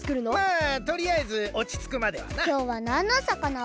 あとりあえずおちつくまではな。